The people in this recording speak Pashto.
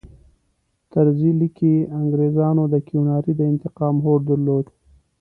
طرزي لیکي انګریزانو د کیوناري د انتقام هوډ درلود.